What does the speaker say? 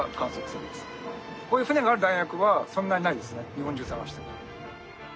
日本中探しても。